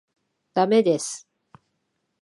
駄目です。